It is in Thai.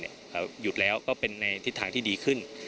หยุดแล้วก็เป็นในทิศทางที่ดีขึ้น